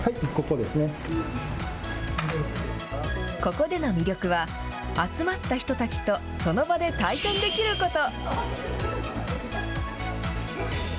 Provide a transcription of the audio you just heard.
ここでの魅力は、集まった人たちとその場で対戦できること。